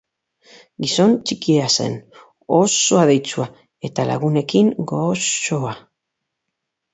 Gizon txikia zen, oso adeitsua, eta lagunekin gozoa.